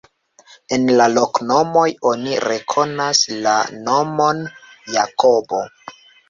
En la loknomoj oni rekonas la nomon Jakobo.